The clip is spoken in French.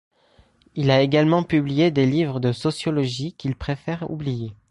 Il a également publié des livres de sociologie qu'il préfère oublier.